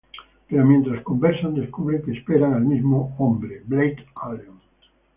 Pero mientras conversan descubren que esperan al mismo hombre, Blake Allen.